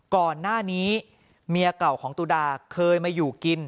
ก่อนหน้านี้เมียเก่าของตุดาเคยมาอยู่กิน